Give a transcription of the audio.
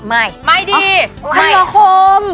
ไม่ไม่ดีคำละคม